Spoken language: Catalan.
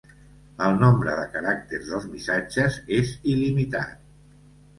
El nombre de caràcters dels missatges és il·limitat.